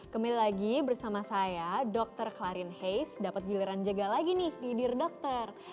kembali lagi bersama saya dr klarin heis dapat giliran jaga lagi nih di dear doctor